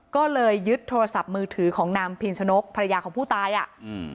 ก็เลยยึดโทรศัพท์มือถือของนางพิมชนกภรรยาของผู้ตายอ่ะอืม